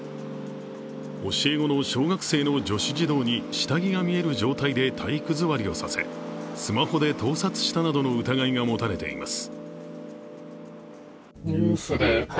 教え子の小学生の女子児童に下着が見える状態で体育座りをさせ、スマホで盗撮したなどの疑いが持たれています。